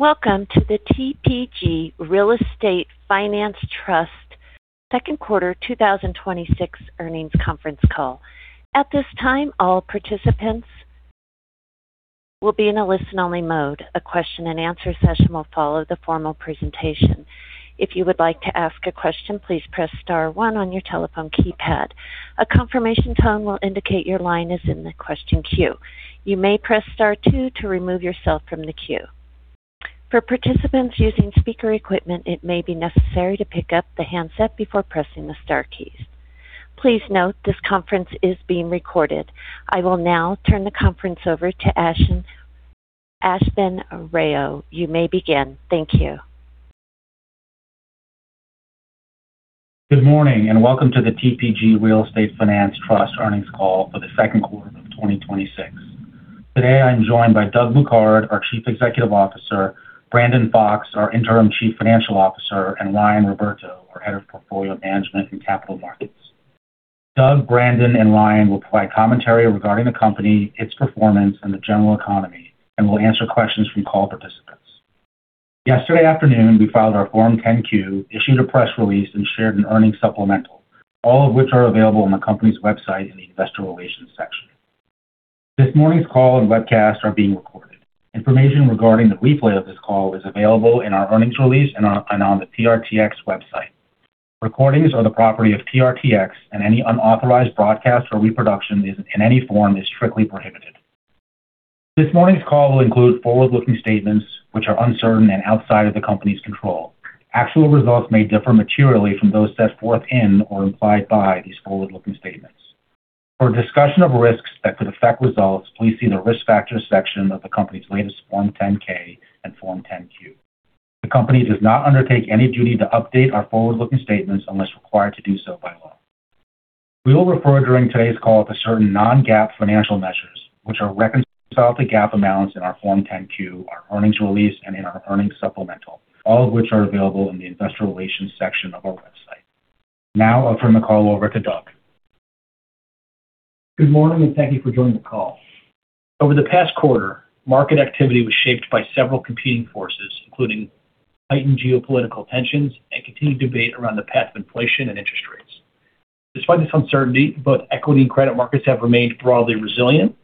Welcome to the TPG Real Estate Finance Trust second quarter 2026 earnings conference call. At this time, all participants will be in a listen-only mode. A question and answer session will follow the formal presentation. If you would like to ask a question, please press star one on your telephone keypad. A confirmation tone will indicate your line is in the question queue. You may press star two to remove yourself from the queue. For participants using speaker equipment, it may be necessary to pick up the handset before pressing the star keys. Please note this conference is being recorded. I will now turn the conference over to Ashvin Rao. You may begin. Thank you. Good morning, and welcome to the TPG Real Estate Finance Trust earnings call for the second quarter of 2026. Today, I'm joined by Doug Bouquard, our Chief Executive Officer, Brandon Fox, our Interim Chief Financial Officer, and Ryan Roberto, our Head of Portfolio Management and Capital Markets. Doug, Brandon, and Ryan will provide commentary regarding the company, its performance, and the general economy, and will answer questions from call participants. Yesterday afternoon, we filed our Form 10-Q, issued a press release, and shared an earnings supplemental. All of which are available on the company's website in the investor relations section. This morning's call and webcast are being recorded. Information regarding the replay of this call is available in our earnings release and on the TRTX website. Recordings are the property of TRTX, and any unauthorized broadcast or reproduction in any form is strictly prohibited. This morning's call will include forward-looking statements which are uncertain and outside of the company's control. Actual results may differ materially from those set forth in or implied by these forward-looking statements. For a discussion of risks that could affect results, please see the risk factors section of the company's latest Form 10-K and Form 10-Q. The company does not undertake any duty to update our forward-looking statements unless required to do so by law. We will refer during today's call to certain non-GAAP financial measures, which are reconciled to GAAP amounts in our Form 10-Q, our earnings release, and in our earnings supplemental. All of which are available in the investor relations section of our website. Now I'll turn the call over to Doug. Good morning, and thank you for joining the call. Over the past quarter, market activity was shaped by several competing forces, including heightened geopolitical tensions and continued debate around the path of inflation and interest rates. Despite this uncertainty, both equity and credit markets have remained broadly resilient.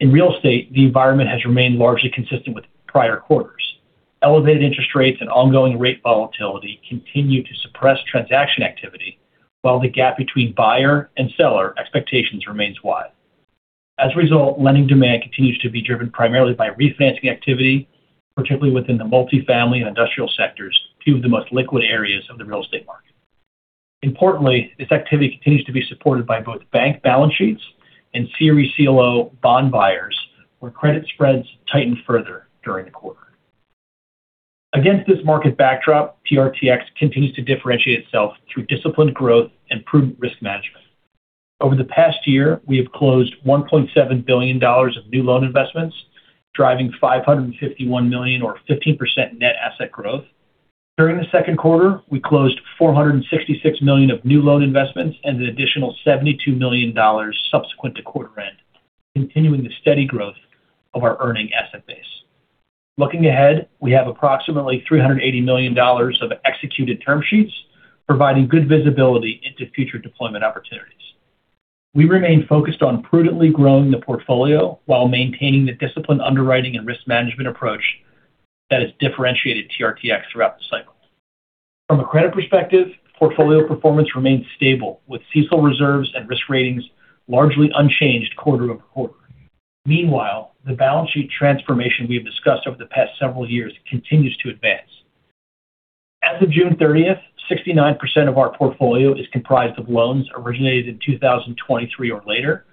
In real estate, the environment has remained largely consistent with prior quarters. Elevated interest rates and ongoing rate volatility continue to suppress transaction activity, while the gap between buyer and seller expectations remains wide. As a result, lending demand continues to be driven primarily by refinancing activity, particularly within the multifamily and industrial sectors, two of the most liquid areas of the real estate market. Importantly, this activity continues to be supported by both bank balance sheets and CRE CLO bond buyers, where credit spreads tightened further during the quarter. Against this market backdrop, TRTX continues to differentiate itself through disciplined growth and prudent risk management. Over the past year, we have closed $1.7 billion of new loan investments, driving $551 million or 15% net asset growth. During the second quarter, we closed $466 million of new loan investments and an additional $72 million subsequent to quarter end, continuing the steady growth of our earning asset base. Looking ahead, we have approximately $380 million of executed term sheets, providing good visibility into future deployment opportunities. We remain focused on prudently growing the portfolio while maintaining the disciplined underwriting and risk management approach that has differentiated TRTX throughout the cycle. From a credit perspective, portfolio performance remains stable, with CECL reserves and risk ratings largely unchanged quarter-over-quarter. Meanwhile, the balance sheet transformation we have discussed over the past several years continues to advance. As of June 30th, 69% of our portfolio is comprised of loans originated in 2023 or later.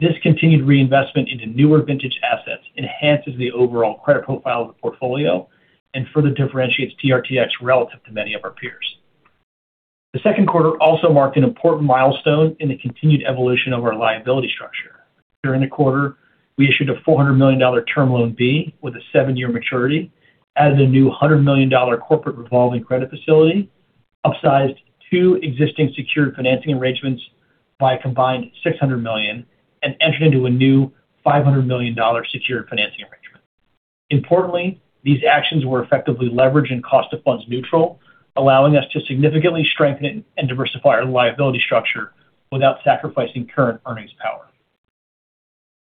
This continued reinvestment into newer vintage assets enhances the overall credit profile of the portfolio and further differentiates TRTX relative to many of our peers. The second quarter also marked an important milestone in the continued evolution of our liability structure. During the quarter, we issued a $400 million Term Loan B with a seven year maturity, added a new $100 million corporate revolving credit facility, upsized two existing secured financing arrangements by a combined $600 million, and entered into a new $500 million secured financing arrangement. Importantly, these actions were effectively leverage and cost of funds neutral, allowing us to significantly strengthen and diversify our liability structure without sacrificing current earnings power.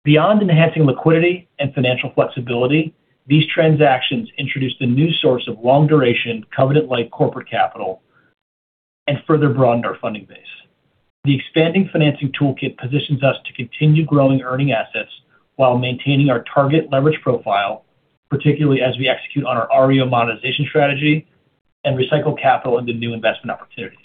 Beyond enhancing liquidity and financial flexibility, these transactions introduced a new source of long-duration, covenant-like corporate capital and further broadened our funding base. The expanding financing toolkit positions us to continue growing earning assets while maintaining our target leverage profile, particularly as we execute on our REO monetization strategy and recycle capital into new investment opportunities.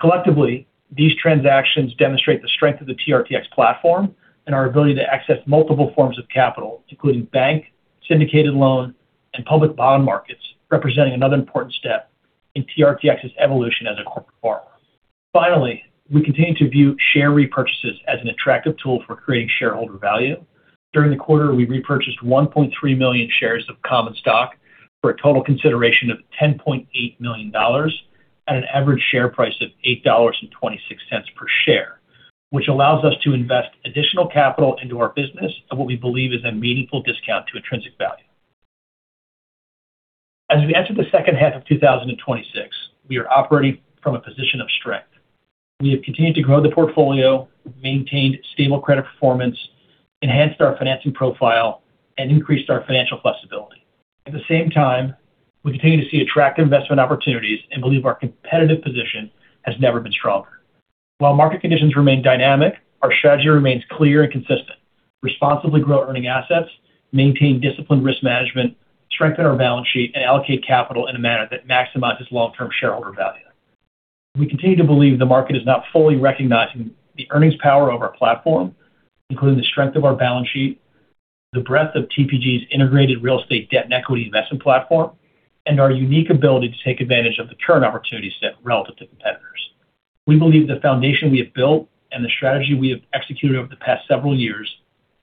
Collectively, these transactions demonstrate the strength of the TRTX platform and our ability to access multiple forms of capital, including bank, syndicated loan, and public bond markets, representing another important step in TRTX's evolution as a corporate borrower. Finally, we continue to view share repurchases as an attractive tool for creating shareholder value. During the quarter, we repurchased 1.3 million shares of common stock for a total consideration of $10.8 million at an average share price of $8.26 per share. Which allows us to invest additional capital into our business at what we believe is a meaningful discount to intrinsic value. As we enter the second half of 2026, we are operating from a position of strength. We have continued to grow the portfolio, maintained stable credit performance, enhanced our financing profile, and increased our financial flexibility. At the same time, we continue to see attractive investment opportunities and believe our competitive position has never been stronger. While market conditions remain dynamic, our strategy remains clear and consistent. Responsibly grow earning assets, maintain disciplined risk management, strengthen our balance sheet, and allocate capital in a manner that maximizes long-term shareholder value. We continue to believe the market is not fully recognizing the earnings power of our platform, including the strength of our balance sheet, the breadth of TPG's integrated real estate debt and equity investment platform, and our unique ability to take advantage of the current opportunity set relative to competitors. We believe the foundation we have built and the strategy we have executed over the past several years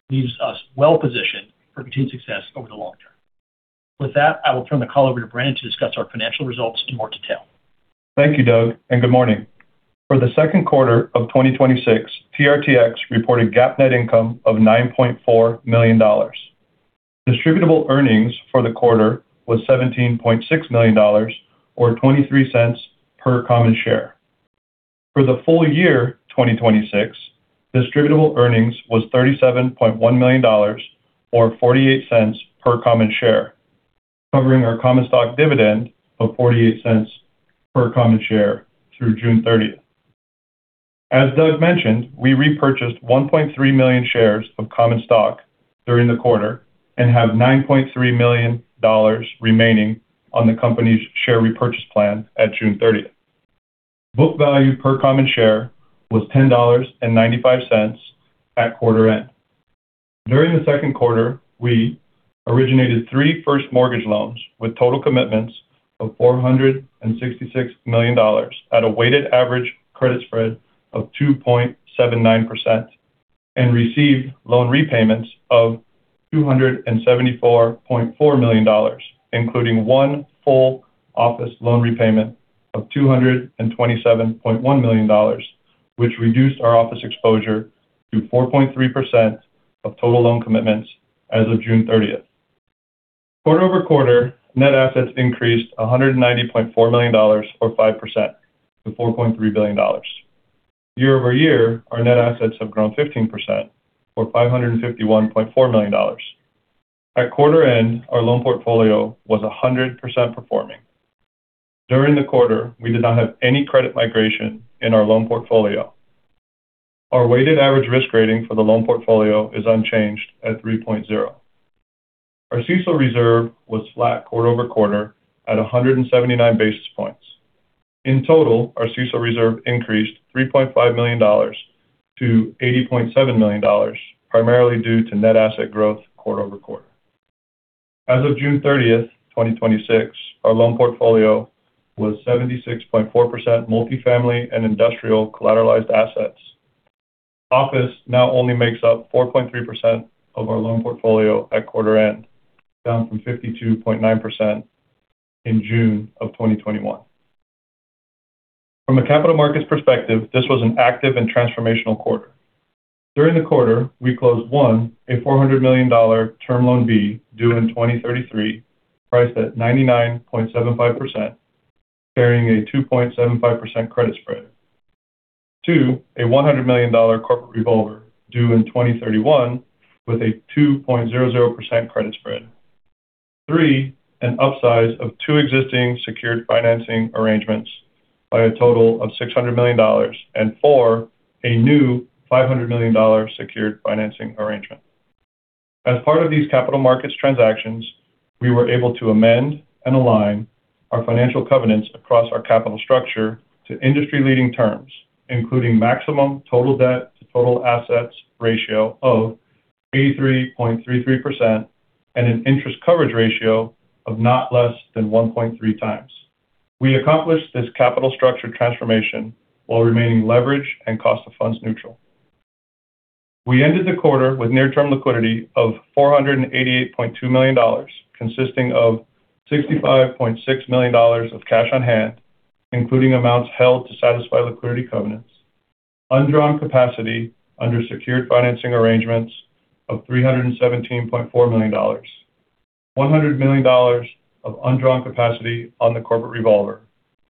leaves us well positioned for continued success over the long term. With that, I will turn the call over to Brandon to discuss our financial results in more detail. Thank you, Doug, and good morning. For the second quarter of 2026, TRTX reported GAAP net income of $9.4 million. Distributable Earnings for the quarter was $17.6 million, or $0.23 per common share. For the full year 2026, Distributable Earnings was $37.1 million, or $0.48 per common share, covering our common stock dividend of $0.48 per common share through June 30th. As Doug mentioned, we repurchased 1.3 million shares of common stock during the quarter and have $9.3 million remaining on the company's share repurchase plan at June 30th. Book value per common share was $10.95 at quarter end. During the second quarter, we originated three first mortgage loans with total commitments of $466 million at a weighted average credit spread of 2.79%, and received loan repayments of $274.4 million, including one full office loan repayment of $227.1 million, which reduced our office exposure to 4.3% of total loan commitments as of June 30th. Quarter-over-quarter, net assets increased $190.4 million, or 5%, to $4.3 billion. Year-over-year, our net assets have grown 15%, or $551.4 million. At quarter end, our loan portfolio was 100% performing. During the quarter, we did not have any credit migration in our loan portfolio. Our weighted average risk rating for the loan portfolio is unchanged at 3.0. Our CECL reserve was flat quarter-over-quarter at 179 basis points. In total, our CECL reserve increased $3.5 million to $80.7 million, primarily due to net asset growth quarter-over-quarter. As of June 30th, 2026, our loan portfolio was 76.4% multifamily and industrial collateralized assets. Office now only makes up 4.3% of our loan portfolio at quarter end, down from 52.9% in June of 2021. From a capital markets perspective, this was an active and transformational quarter. During the quarter, we closed, one, a $400 million Term Loan B due in 2033, priced at 99.75%, carrying a 2.75% credit spread. Two, a $100 million corporate revolver due in 2031 with a 2.00% credit spread. Three, an upsize of two existing secured financing arrangements by a total of $600 million. And four, a new $500 million secured financing arrangement. As part of these capital markets transactions, we were able to amend and align our financial covenants across our capital structure to industry leading terms, including maximum total debt to total assets ratio of 83.33%, and an interest coverage ratio of not less than 1.3 times. We accomplished this capital structure transformation while remaining leverage and cost of funds neutral. We ended the quarter with near-term liquidity of $488.2 million, consisting of $65.6 million of cash on hand, including amounts held to satisfy liquidity covenants, undrawn capacity under secured financing arrangements of $317.4 million, $100 million of undrawn capacity on the corporate revolver,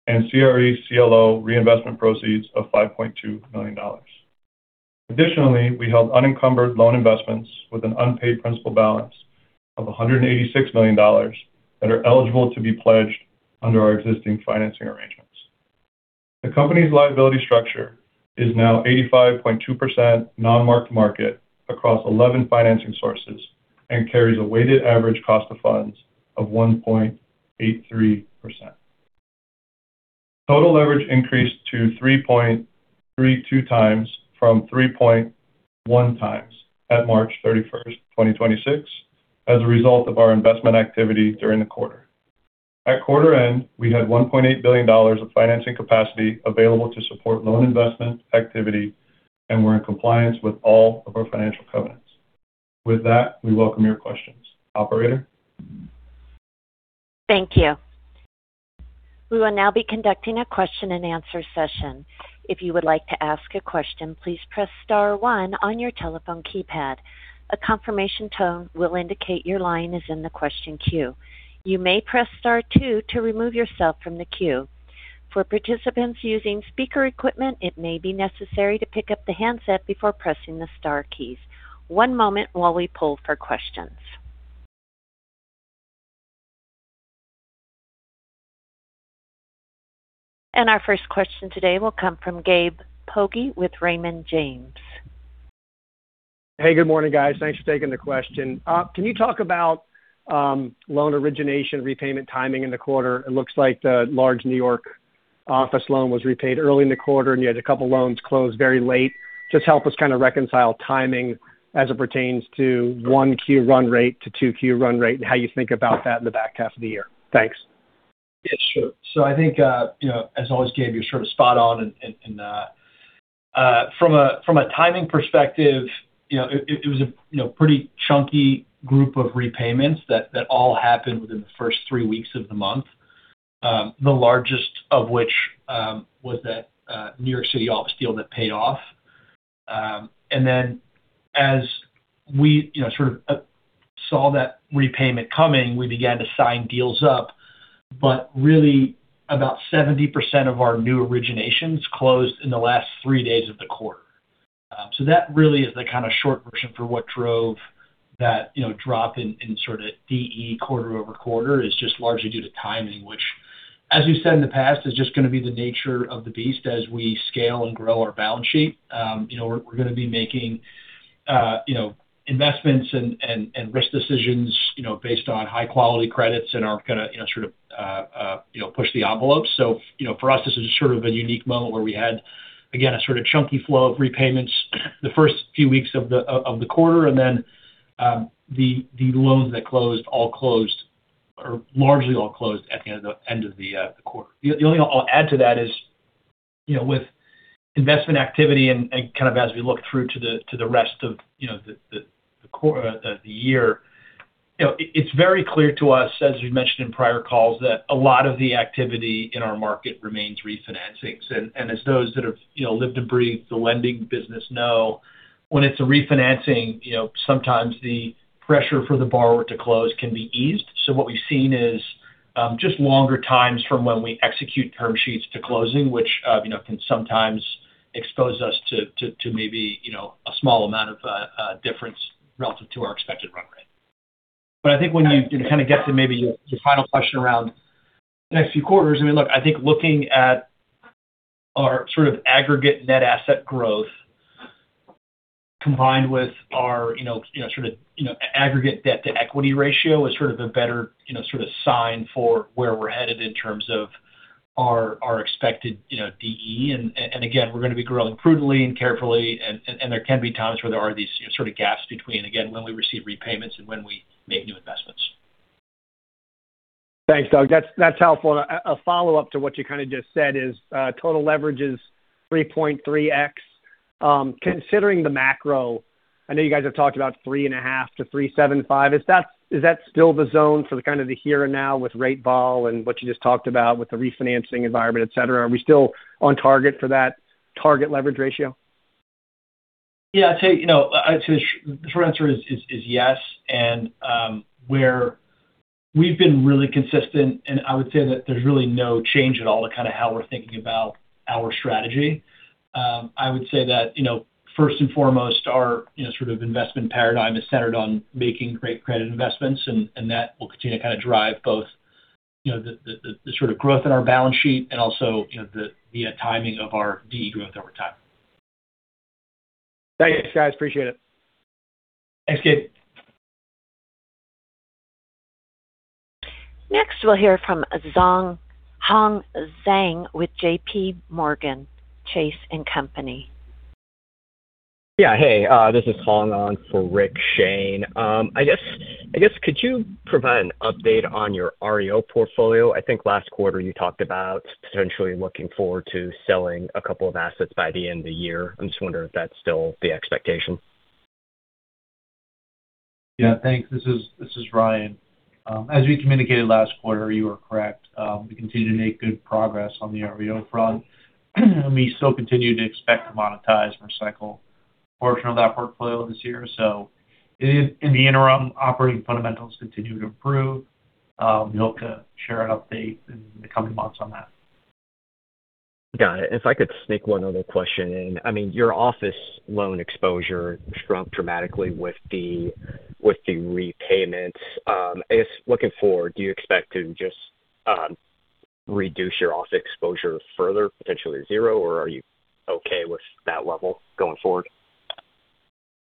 and CRE CLO reinvestment proceeds of $5.2 million. Additionally, we held unencumbered loan investments with an unpaid principal balance of $186 million that are eligible to be pledged under our existing financing arrangements. The company's liability structure is now 85.2% non-marked market across 11 financing sources and carries a weighted average cost of funds of 1.83%. Total leverage increased to 3.32 times from 3.1 times at March 31st, 2026, as a result of our investment activity during the quarter. At quarter end, we had $1.8 billion of financing capacity available to support loan investment activity and were in compliance with all of our financial covenants. With that, we welcome your questions. Operator? Thank you. We will now be conducting a question and answer session. If you would like to ask a question, please press star one on your telephone keypad. A confirmation tone will indicate your line is in the question queue. You may press star two to remove yourself from the queue. For participants using speaker equipment, it may be necessary to pick up the handset before pressing the star keys. One moment while we pull for questions. Our first question today will come from Gabe Poggi with Raymond James. Hey, good morning, guys. Thanks for taking the question. Can you talk about loan origination repayment timing in the quarter? It looks like the large New York office loan was repaid early in the quarter, and you had a couple loans closed very late. Just help us kind of reconcile timing as it pertains to 1Q run rate to 2Q run rate, and how you think about that in the back half of the year. Thanks. Yeah, sure. I think, as always, Gabe, you're sort of spot on. From a timing perspective, it was a pretty chunky group of repayments that all happened within the first three weeks of the month. The largest of which was that New York City office deal that paid off. As we sort of saw that repayment coming, we began to sign deals up, but really about 70% of our new originations closed in the last three days of the quarter. That really is the kind of short version for what drove that drop in sort of DE quarter-over-quarter is just largely due to timing. Which, as we've said in the past, is just going to be the nature of the beast as we scale and grow our balance sheet. We're going to be making investments and risk decisions based on high-quality credits and aren't going to push the envelope. For us, this is sort of a unique moment where we had, again, a sort of chunky flow of repayments the first few weeks of the quarter, and then the loans that closed all closed, or largely all closed at the end of the quarter. The only thing I'll add to that is with investment activity and kind of as we look through to the rest of the year, it's very clear to us, as we've mentioned in prior calls, that a lot of the activity in our market remains refinancings. As those that have lived and breathed the lending business know, when it's a refinancing, sometimes the pressure for the borrower to close can be eased. What we've seen is just longer times from when we execute term sheets to closing, which can sometimes expose us to maybe a small amount of difference relative to our expected run rate. I think when you kind of get to maybe your final question around the next few quarters, I mean, look, I think looking at our sort of aggregate net asset growth combined with our aggregate debt-to-equity ratio is sort of a better sign for where we're headed in terms of our expected DE. Again, we're going to be growing prudently and carefully, and there can be times where there are these sort of gaps between, again, when we receive repayments and when we make new investments. Thanks, Doug. That's helpful. A follow-up to what you kind of just said is total leverage is 3.3x. Considering the macro, I know you guys have talked about 3.5x-3.75x. Is that still the zone for the kind of the here and now with rate vol and what you just talked about with the refinancing environment, et cetera? Are we still on target for that target leverage ratio? I'd say the short answer is yes. Where we've been really consistent, I would say that there's really no change at all to kind of how we're thinking about our strategy. I would say that, first and foremost, our sort of investment paradigm is centered on making great credit investments. That will continue to kind of drive both the sort of growth in our balance sheet and also the timing of our DE growth over time. Thanks, guys, appreciate it. Thanks, Gabe. Next, we'll hear from Zhong Hong Zheng with JPMorgan Chase & Company Hey, this is Hong on for Rick Shane. Could you provide an update on your REO portfolio? I think last quarter you talked about potentially looking forward to selling a couple of assets by the end of the year. I'm just wondering if that's still the expectation. Thanks. This is Ryan. As we communicated last quarter, you are correct. We continue to make good progress on the REO front. We still continue to expect to monetize and recycle a portion of that portfolio this year. In the interim, operating fundamentals continue to improve. We hope to share an update in the coming months on that. Got it. If I could sneak one other question in. Your office loan exposure shrunk dramatically with the repayments. Looking forward, do you expect to just reduce your office exposure further, potentially to zero, or are you okay with that level going forward?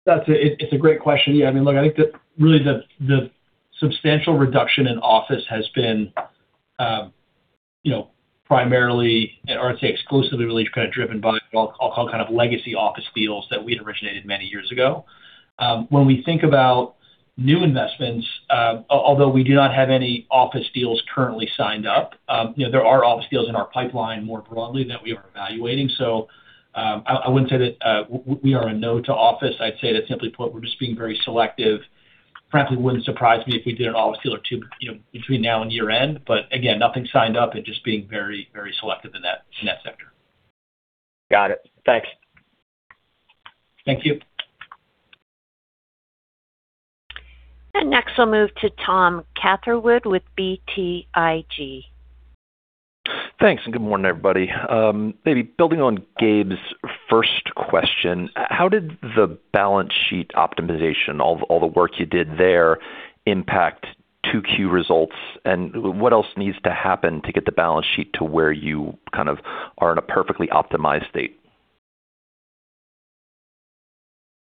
That's a great question. I mean, look, I think that really the substantial reduction in office has been primarily, or I'd say exclusively, really kind of driven by what I'll call kind of legacy office deals that we had originated many years ago. When we think about new investments, although we do not have any office deals currently signed up, there are office deals in our pipeline more broadly that we are evaluating. I wouldn't say that we are a no to office. I'd say that simply put, we're just being very selective. Frankly, wouldn't surprise me if we did an office deal or two between now and year-end, again, nothing signed up and just being very selective in that sector. Got it. Thanks. Thank you. Next we'll move to Tom Catherwood with BTIG. Thanks. Good morning, everybody. Maybe building on Gabe's first question, how did the balance sheet optimization, all the work you did there, impact 2Q results? What else needs to happen to get the balance sheet to where you kind of are in a perfectly optimized state?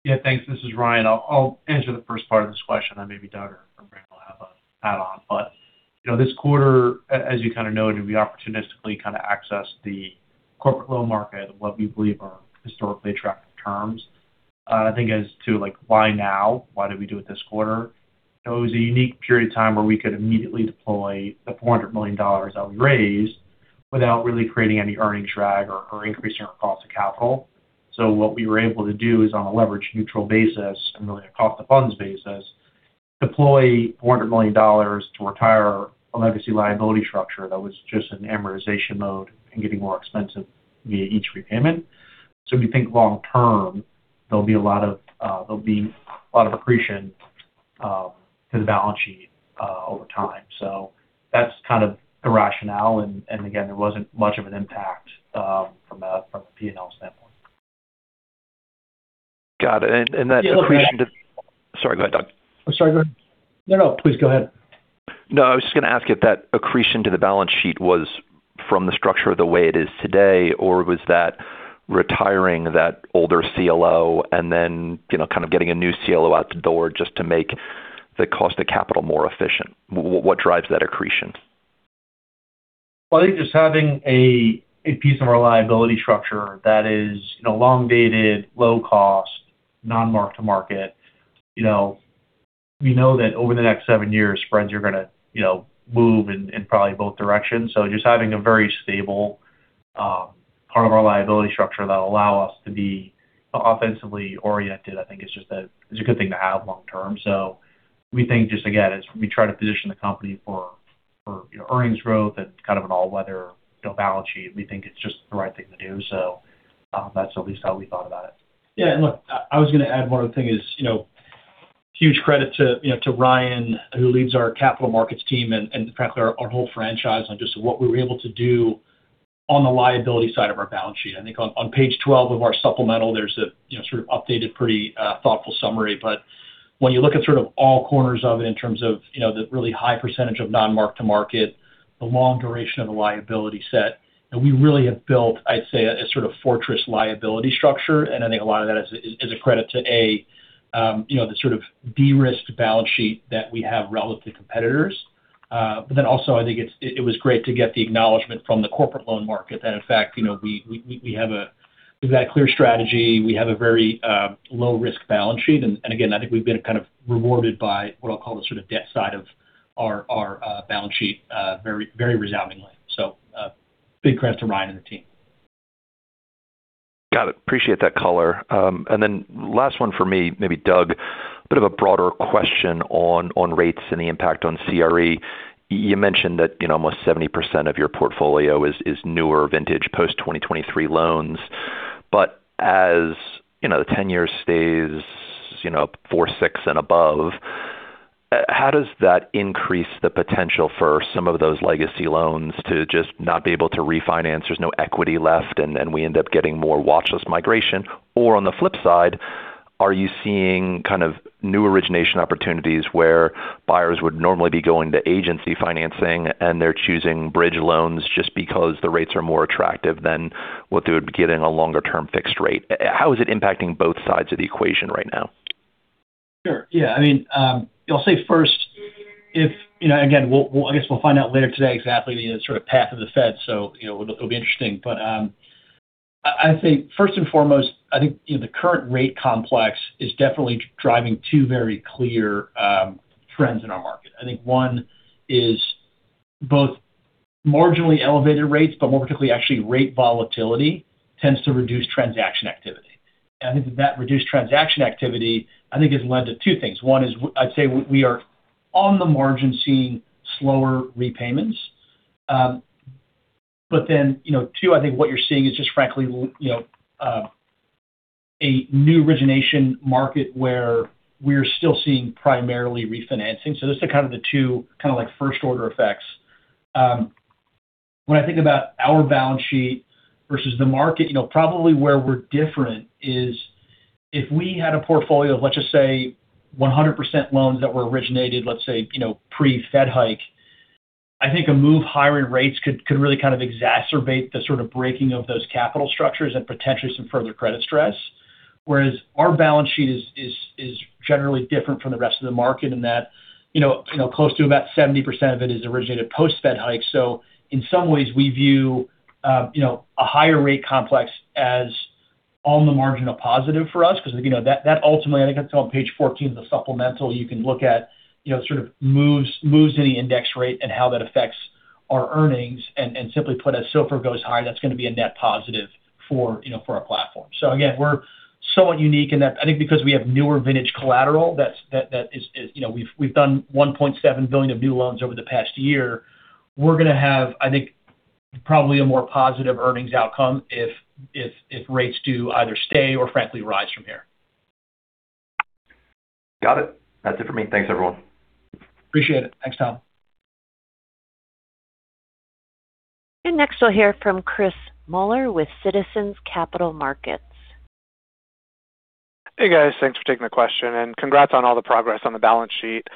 Yeah, thanks. This is Ryan. I'll answer the first part of this question. Maybe Doug or Brandon will have a add-on. This quarter, as you kind of noted, we opportunistically kind of accessed the corporate loan market at what we believe are historically attractive terms. I think as to why now? Why did we do it this quarter? It was a unique period of time where we could immediately deploy the $400 million that we raised without really creating any earnings drag or increasing our cost of capital. What we were able to do is on a leverage-neutral basis and really a cost-of-funds basis, deploy $400 million to retire a legacy liability structure that was just in amortization mode and getting more expensive via each repayment. If you think long term, there'll be a lot of accretion to the balance sheet over time. That's kind of the rationale. Again, there wasn't much of an impact from a P&L standpoint. Got it. That accretion to. Yeah, look. Sorry, go ahead, Doug. Oh, sorry. Go ahead. No, please go ahead. No, I was just going to ask if that accretion to the balance sheet was from the structure the way it is today, or was that retiring that older CLO and then kind of getting a new CLO out the door just to make the cost of capital more efficient? What drives that accretion? Well, I think just having a piece of our liability structure that is long-dated, low cost, non-mark-to-market. We know that over the next seven years, spreads are going to move in probably both directions. Just having a very stable part of our liability structure that allow us to be offensively oriented, I think it's a good thing to have long term. We think just, again, as we try to position the company for earnings growth and kind of an all-weather balance sheet, we think it's just the right thing to do. That's at least how we thought about it. Yeah. Look, I was going to add one other thing is, huge credit to Ryan, who leads our capital markets team, and frankly, our whole franchise on just what we were able to do on the liability side of our balance sheet. I think on page 12 of our supplemental, there's a sort of updated, pretty thoughtful summary. When you look at sort of all corners of it in terms of the really high percentage of non-mark-to-market, the long duration of the liability set, and we really have built, I'd say, a sort of fortress liability structure. I think a lot of that is a credit to, A, the sort of de-risked balance sheet that we have relative to competitors. Also I think it was great to get the acknowledgement from the corporate loan market that in fact we have that clear strategy. We have a very low-risk balance sheet. Again, I think we've been kind of rewarded by what I'll call the sort of debt side of our balance sheet very resoundingly. Big congrats to Ryan and the team. Got it. Appreciate that color. Last one for me, maybe Doug, a bit of a broader question on rates and the impact on CRE. You mentioned that almost 70% of your portfolio is newer vintage post-2023 loans. As the 10 year stays 4% 6%, and above, how does that increase the potential for some of those legacy loans to just not be able to refinance? There's no equity left, and we end up getting more watch list migration. On the flip side, are you seeing kind of new origination opportunities where buyers would normally be going to agency financing and they're choosing bridge loans just because the rates are more attractive than what they would get in a longer-term fixed rate? How is it impacting both sides of the equation right now? Sure. Yeah. I'll say first, again, I guess we'll find out later today exactly the sort of path of the Fed, it'll be interesting. I think first and foremost, I think the current rate complex is definitely driving two very clear trends in our market. I think one is both marginally elevated rates, but more particularly actually rate volatility tends to reduce transaction activity. I think that that reduced transaction activity, I think, has led to two things. One is I'd say we are on the margin seeing slower repayments. Two, I think what you're seeing is just frankly a new origination market where we're still seeing primarily refinancing. Those are kind of the two kind of like first order effects. When I think about our balance sheet versus the market, probably where we're different is if we had a portfolio of, let's just say 100% loans that were originated, let's say pre-Fed hike, I think a move higher in rates could really kind of exacerbate the sort of breaking of those capital structures and potentially some further credit stress. Whereas our balance sheet is generally different from the rest of the market in that close to about 70% of it is originated post-Fed hike. In some ways we view a higher rate complex as on the margin a positive for us because that ultimately, I think that's on page 14 of the supplemental, you can look at sort of moves in the index rate and how that affects our earnings. Simply put, as SOFR goes higher, that's going to be a net positive for our platform. Again, somewhat unique in that I think because we have newer vintage collateral, we've done $1.7 billion of new loans over the past year. We're going to have, I think, probably a more positive earnings outcome if rates do either stay or frankly rise from here. Got it. That's it for me. Thanks everyone. Appreciate it. Thanks, Tom. Next we'll hear from Chris Muller with Citizens Capital Markets. Hey, guys. Thanks for taking the question and congrats on all the progress on the balance sheet.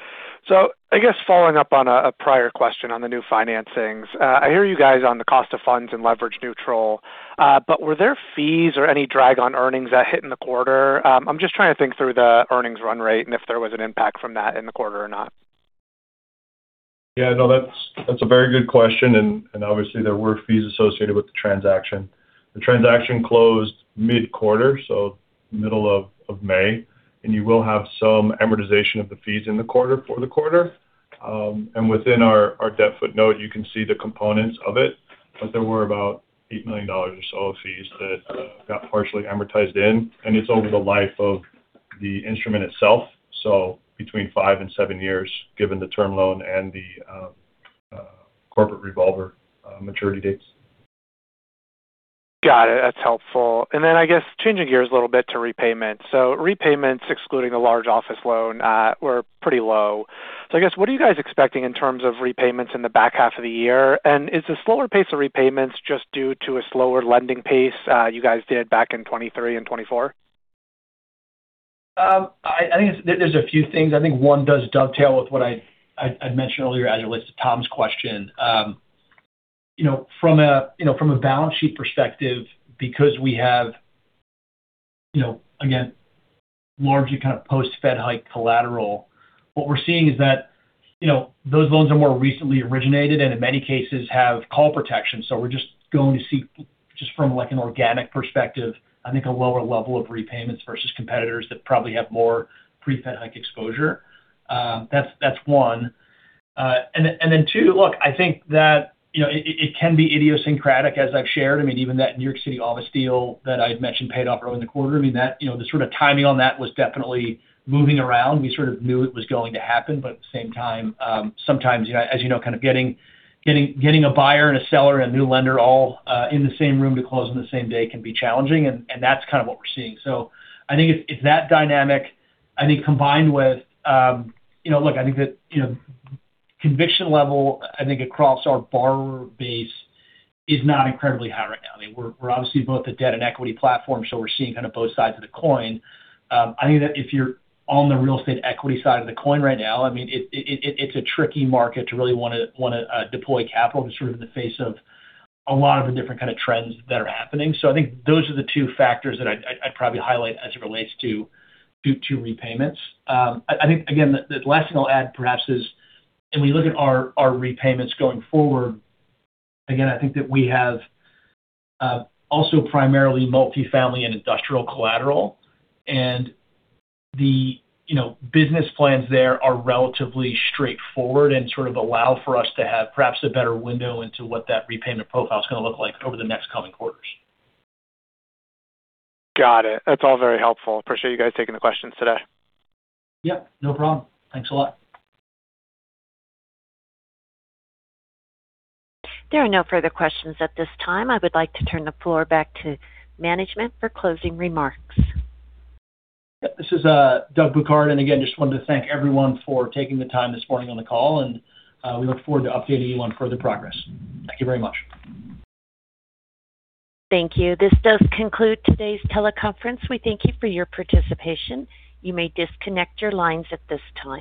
I guess following up on a prior question on the new financings. I hear you guys on the cost of funds and leverage neutral, were there fees or any drag on earnings that hit in the quarter? I'm just trying to think through the earnings run rate and if there was an impact from that in the quarter or not. Yeah, no, that's a very good question. Obviously there were fees associated with the transaction. The transaction closed mid-quarter, middle of May. You will have some amortization of the fees in the quarter for the quarter. Within our debt footnote, you can see the components of it. There were about $8 million or so of fees that got partially amortized in. It's over the life of the instrument itself, so between five and seven years, given the Term Loan and the corporate revolver maturity dates. Got it. That's helpful. I guess changing gears a little bit to repayments. Repayments, excluding a large office loan, were pretty low. I guess, what are you guys expecting in terms of repayments in the back half of the year? Is the slower pace of repayments just due to a slower lending pace you guys did back in 2023 and 2024? I think there's a few things. I think one does dovetail with what I mentioned earlier as it relates to Tom's question. From a balance sheet perspective, because we have, again, largely post-fed hike collateral, what we're seeing is that those loans are more recently originated and in many cases have call protection. We're just going to see just from an organic perspective, I think a lower level of repayments versus competitors that probably have more pre-fed hike exposure. That's one. Two, look, I think that it can be idiosyncratic, as I've shared. I mean, even that New York City office deal that I mentioned paid off early in the quarter. The sort of timing on that was definitely moving around. We sort of knew it was going to happen, but at the same time, sometimes as you know, kind of getting a buyer and a seller and a new lender all in the same room to close on the same day can be challenging. That's kind of what we're seeing. I think it's that dynamic, I think combined with. Look, I think that conviction level, I think across our borrower base is not incredibly high right now. We're obviously both a debt and equity platform, so we're seeing both sides of the coin. I think that if you're on the real estate equity side of the coin right now, it's a tricky market to really want to deploy capital in sort of in the face of a lot of the different kind of trends that are happening. I think those are the two factors that I'd probably highlight as it relates to repayments. I think, again, the last thing I'll add perhaps is when we look at our repayments going forward, again, I think that we have also primarily multi-family and industrial collateral, and the business plans there are relatively straightforward and sort of allow for us to have perhaps a better window into what that repayment profile is going to look like over the next coming quarters. Got it. That's all very helpful. Appreciate you guys taking the questions today. Yep, no problem. Thanks a lot. There are no further questions at this time. I would like to turn the floor back to management for closing remarks. This is Doug Bouquard. Again, just wanted to thank everyone for taking the time this morning on the call. We look forward to updating you on further progress. Thank you very much. Thank you. This does conclude today's teleconference. We thank you for your participation. You may disconnect your lines at this time.